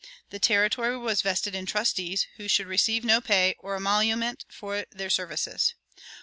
The territory was vested in trustees, who should receive no pay or emolument for their services.